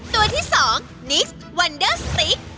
ตัวที่๒นิสวันเดอร์สติ๊ก